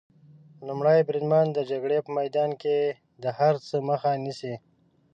لومړی بریدمن د جګړې په میدان کې د هر څه مخه نیسي.